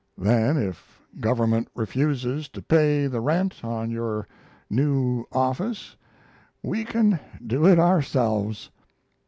Then, if government refuses to pay the rent on your new office we can do it ourselves.